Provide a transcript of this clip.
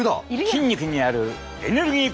筋肉にあるエネルギー